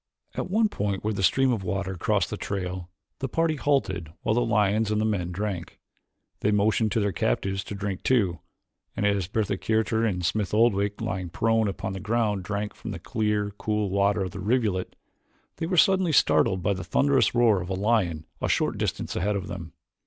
At one point where a stream of water crossed the trail the party halted while the lions and the men drank. They motioned to their captives to drink too, and as Bertha Kircher and Smith Oldwick, lying prone upon the ground drank from the clear, cool water of the rivulet, they were suddenly startled by the thunderous roar of a lion a short distance ahead of them.